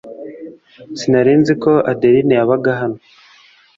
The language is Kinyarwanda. Sinari nzi ko adeline yabaga hano .